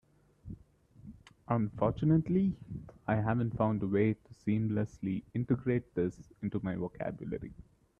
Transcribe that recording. Unfortunately, I haven't found a way to seamlessly integrate this into my vocabulary.